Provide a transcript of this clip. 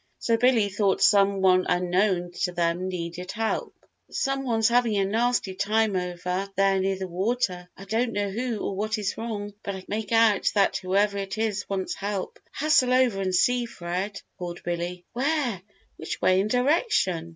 So, Billy thought some one unknown to them needed help. "Some one's having a nasty time over there near the water I don't know who or what is wrong, but I can make out that whoever it is wants help. Hustle over and see, Fred!" called Billy. "Where which way and direction?"